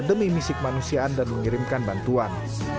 demi misi kemanusiaan dan mengirimkan bantuan